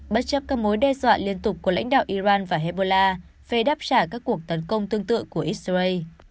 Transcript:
bất chấp các mối đe dọa liên tục của lãnh đạo iran và hezbollah về đáp trả các cuộc tấn công tương tự của israel